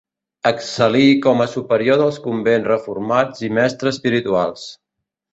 Excel·lí com a superior dels convents reformats i mestre espirituals.